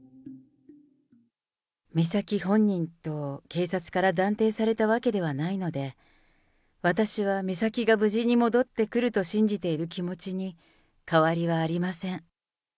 美咲本人と警察から断定されたわけではないので、私は美咲が無事に戻ってくると信じている気持ちに変わりはありません。